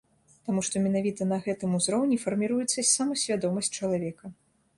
Таму што менавіта на гэтым узроўні фарміруецца самасвядомасць чалавека.